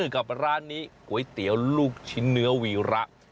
กับร้านนี้ก๋วยเตี๋ยวลูกชิ้นเนื้อวีระ